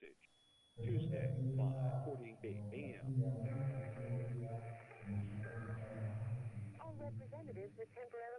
Presenta así una orografía muy especial que ha condicionado notablemente su desarrollo posterior.